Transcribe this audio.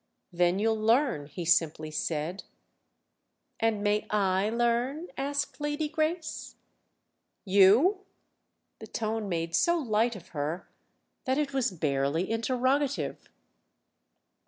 "Then you'll learn," he simply said. "And may I learn?" asked Lady Grace. "You?" The tone made so light of her that it was barely interrogative.